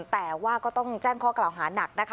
แต่ว่าก็ต้องแจ้งข้อกล่าวหานักนะคะ